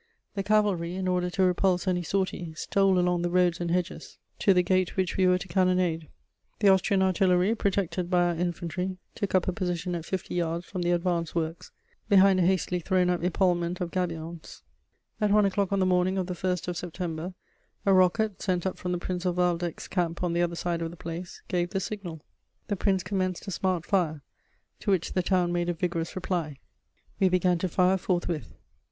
The cavalry, in order to repulse any sortie, stole along the roads and hedges to the gate which we were to cannonade. The Austrian artillery, protected by our infantry, took up a position at fifty yards from the advanced works, behind a hastily thrown up epaulement of gabions. At one o'clock on the morning of the 1st of September, a rocket, sent up from the Prince of Waldeck's camp on the other side of the place, gave the signal. The Prince commenced a smart fire, to which the town made a vigorous reply. We began to fire forthwith.